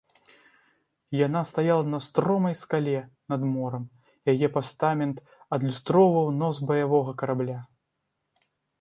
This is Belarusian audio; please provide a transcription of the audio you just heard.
Яна стаяла на стромай скале над морам, яе пастамент адлюстроўваў нос баявога карабля.